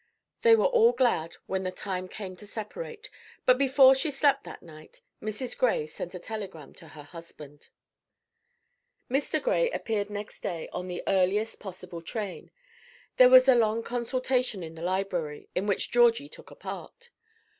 They were all glad when the time came to separate; but before she slept that night, Mrs. Gray sent a telegram to her husband. Mr. Gray appeared next day on the earliest possible train. There was a long consultation in the library, in which Georgie took a part.